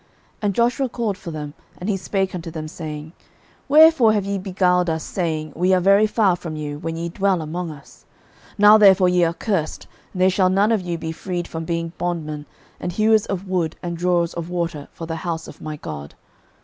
06:009:022 And Joshua called for them, and he spake unto them, saying, Wherefore have ye beguiled us, saying, We are very far from you; when ye dwell among us? 06:009:023 Now therefore ye are cursed, and there shall none of you be freed from being bondmen, and hewers of wood and drawers of water for the house of my God.